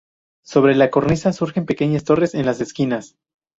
Sobre la cornisa surgen pequeñas torres en las esquinas.